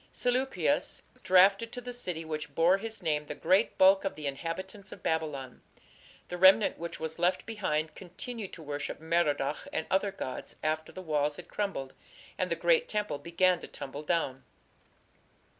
" Seleucus drafted to the city which bore his name the great bulk of the inhabitants of Babylon. The remnant which was left behind continued to worship Merodach and other gods after the walls had crumbled and the great temple began to tumble down.